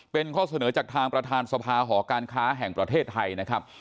เป็นข้อเสนอจากทางประธานสภาหอการค้าแห่งประเทศไทยนะครับ